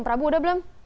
prabu udah belum